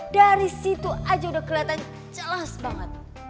dari situ aja udah kelihatan jelas banget